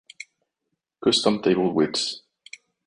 Custom table widths